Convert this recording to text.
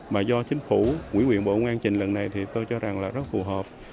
mà do chính phủ quỹ quyền bộ ngang trình lần này tôi cho rằng rất phù hợp